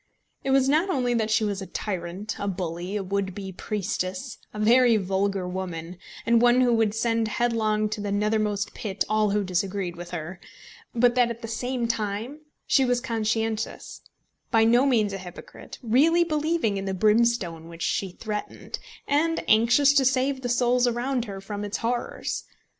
It was not only that she was a tyrant, a bully, a would be priestess, a very vulgar woman, and one who would send headlong to the nethermost pit all who disagreed with her; but that at the same time she was conscientious, by no means a hypocrite, really believing in the brimstone which she threatened, and anxious to save the souls around her from its horrors.